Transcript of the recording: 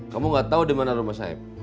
kamu nggak tahu di mana rumah saeb